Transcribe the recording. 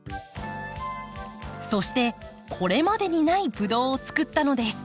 そしてこれまでにないブドウをつくったのです。